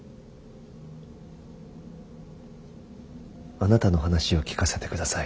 あなたの話を聞かせてください。